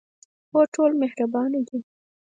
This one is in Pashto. هو، ټول مهربانه دي